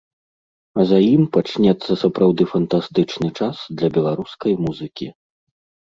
А за ім пачнецца сапраўды фантастычны час для беларускай музыкі.